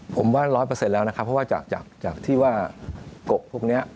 ผมว่า๑๐๐แล้วนะครับเพราะว่าจากที่ว่ากกพวกนี้